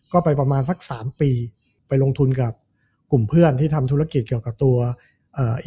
ก็ไปประมาณสักสามปีไปลงทุนกับกลุ่มเพื่อนที่ทำธุรกิจเกี่ยวกับตัวเอ่อ